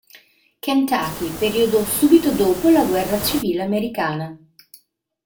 Kentucky, periodo subito dopo la guerra civile americana.